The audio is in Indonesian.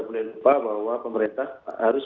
boleh lupa bahwa pemerintah harus